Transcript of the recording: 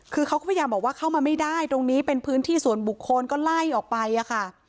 คือเขาก็พยายามบอกว่าเข้ามาไม่ได้ตรงนี้เป็นพื้นที่ส่วนบุคคลก็ไล่ออกไปค่ะ